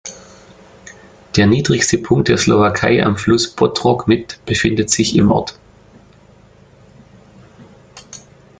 Der niedrigste Punkt der Slowakei am Fluss Bodrog mit befindet sich im Ort.